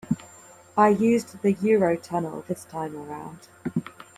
I used the Euro tunnel this time around.